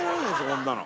こんなの。